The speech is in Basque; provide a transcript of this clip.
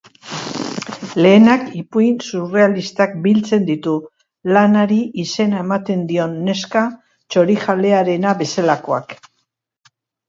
Lehenak ipuin surrealistak biltzen ditu, lanari izena ematen dion neska txorijalearena bezalakoak.